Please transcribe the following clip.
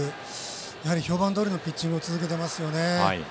やはり評判どおりのピッチングを続けていますね。